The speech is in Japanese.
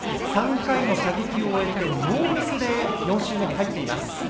３回の射撃を終えてノーミスで４周目に入っています。